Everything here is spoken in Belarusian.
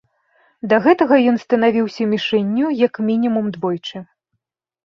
Да гэтага ён станавіўся мішэнню як мінімум двойчы.